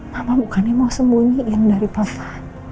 mama bukannya mau sembunyiin dari papa